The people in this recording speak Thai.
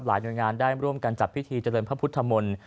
หน่วยงานได้ร่วมกันจัดพิธีเจริญพระพุทธมนตร์